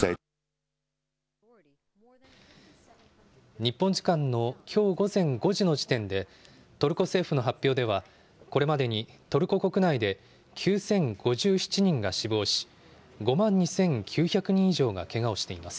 日本時間のきょう午前５時の時点で、トルコ政府の発表では、これまでにトルコ国内で９０５７人が死亡し、５万２９００人以上がけがをしています。